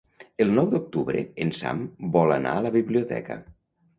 El nou d'octubre en Sam vol anar a la biblioteca.